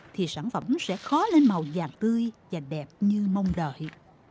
thì sản phẩm sẽ khó lên màu vàng tươi và đẹp như mong đợi